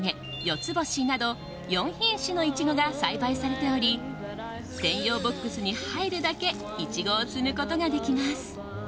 つぼしなど４品種のイチゴが栽培されており専用ボックスに入るだけイチゴを摘むことができます。